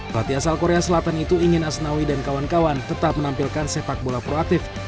pelatih asal korea selatan itu ingin asnawi dan kawan kawan tetap menampilkan sepak bola proaktif